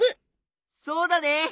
そうだね！